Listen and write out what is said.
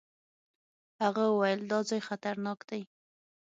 هغه وويل دا ځای خطرناک دی.